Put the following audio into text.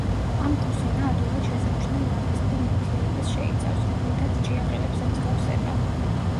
ამ კუს ენა ადვილად შესამჩნევ ვარდისფერ ნივთიერებას შეიცავს, რომლითაც ჭიაყელებს ემსგავსება.